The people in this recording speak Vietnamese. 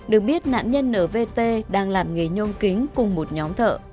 được biết nạn nhân ở vt đang làm nghề nhôm kính cùng một nhóm thợ